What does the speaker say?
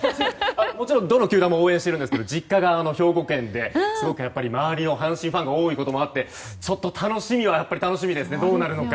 もちろんどの球団も応援しているんですが実家が兵庫県ですごく周りに阪神ファンが多いこともあって楽しみは楽しみですねどうなるのか。